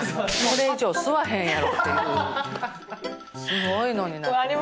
すごいのになってる。